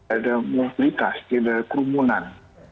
ada mobilitas ada kerumunan